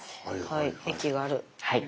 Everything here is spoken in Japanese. はい駅がある。